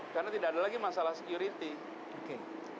karena tidak ada lagi masalah security